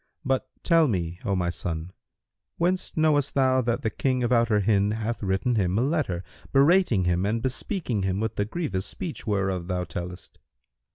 But tell me, O my son, whence knowest thou that the King of Outer Hind hath written him a letter, berating him and bespeaking him with the grievous speech whereof thou tellest?"